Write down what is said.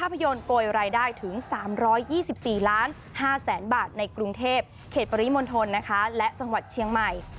ภาพยนตร์โกยรายได้ถึง๓๒๔๕๐๐๐๐บาทในกรุงเทพเขตปริมณฑลและจังหวัดเชียงใหม่